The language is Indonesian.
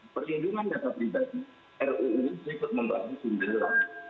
perlindungan data pribadi ruu berikut membaiki juga